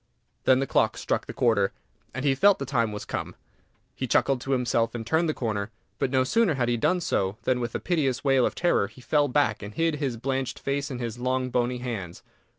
Then the clock struck the quarter, and he felt the time was come. He chuckled to himself, and turned the corner; but no sooner had he done so than, with a piteous wail of terror, he fell back, and hid his blanched face in his long, bony hands.